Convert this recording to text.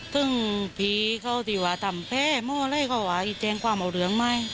ซึ่งผีเขาติว่าทำแพ้มองไล่เขาว่าอี้เจ็งความเอาเหลืองไหม